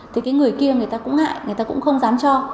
thì cái người kia người ta cũng ngại người ta cũng không dám cho